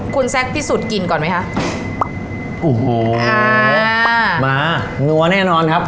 คุณแซคพิสูจนกินก่อนไหมคะโอ้โหมานัวแน่นอนครับ